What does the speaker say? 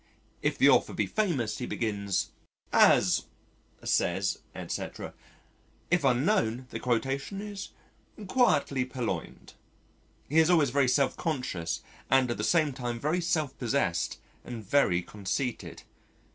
If the author be famous he begins, "As says, etc." If unknown the quotation is quietly purloined. He is always very self conscious and at the same time very self possessed and very conceited.